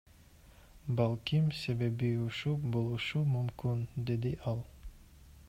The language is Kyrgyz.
Балким, себеби ушул болушу мүмкүн, — деди ал.